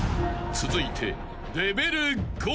［続いて］